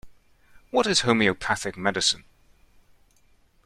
What is homeopathic medicine?